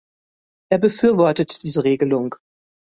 Er befürwortet diese Regelung.